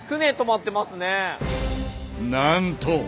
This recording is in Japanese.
なんと！